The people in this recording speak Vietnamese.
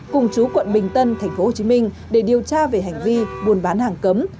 cùng chú quận bình tân tp hcm để điều tra về hành vi buôn bán hàng cấm